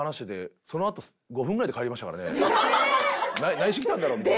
何しに来たんだろう？みたいな。